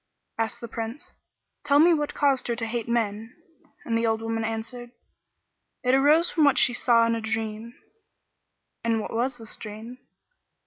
Asked the Prince "Tell me what caused her to hate men;" and the old woman answered, "It arose from what she saw in a dream." "And what was this dream?"